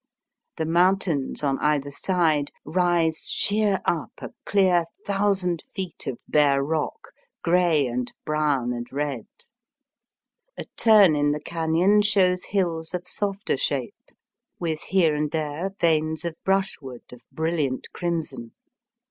The mountains on either side rise sheer up a clear thousand feet of bare rock, grey and brown and red. A turn in the canon shows hills of softer shape^ Digitized by VjOOQIC 154 EAST BT WEST. with here and there veins of brushwood of brilliant crimson.